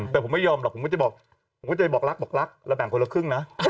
แต่ผมไม่ยอมหรอกผมก็จะบอกผมก็จะไปบอกรักบอกรักเราแบ่งคนละครึ่งนะ